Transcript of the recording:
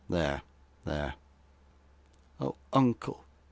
There there.' 'Oh, uncle!